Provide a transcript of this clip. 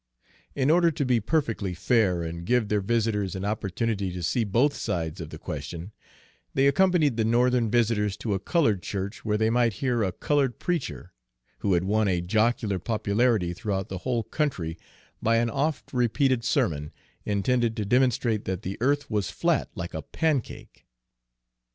In order to be perfectly fair, and give their visitors an opportunity to see both sides of the question, they accompanied the Northern visitors to a colored church where they might hear a colored preacher, who had won a jocular popularity throughout the whole country by an oft repeated sermon intended to demonstrate that the earth was flat like a pancake.